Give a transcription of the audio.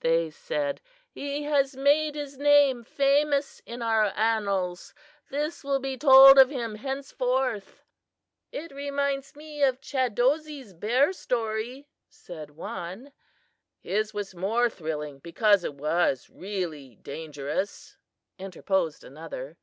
they said; "he has made his name famous in our annals. This will be told of him henceforth." "It reminds me of Chadozee's bear story," said one. "His was more thrilling, because it was really dangerous," interposed another.